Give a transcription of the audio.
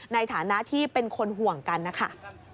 ในฐานะที่เป็นคนห่วงกันนะคะ